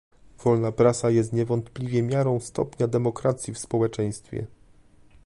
Wolna prasa jest niewątpliwie miarą stopnia demokracji w społeczeństwie